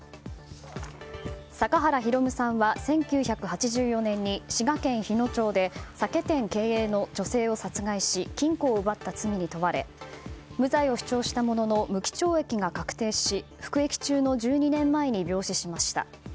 阪原弘さんは１９８４年に滋賀県日野町で酒店経営の女性を殺害し金庫を奪った罪に問われ無罪を主張したものの無期懲役が確定し服役中の１２年前に病死しました。